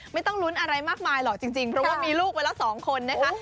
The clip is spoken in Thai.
ไม่ต้องลุ้นอะไรมากมายหรอกจริงเพราะว่ามีลูกไปแล้ว๒คนนะคะ